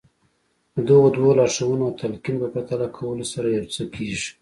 د دغو دوو لارښوونو او تلقين په پرتله کولو سره يو څه کېږي.